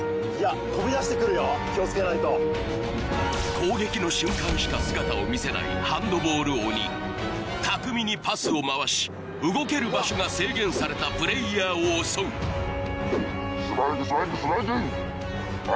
気をつけないと攻撃の瞬間しか姿を見せないハンドボール鬼巧みにパスを回し動ける場所が制限されたプレイヤーを襲うヤバいよ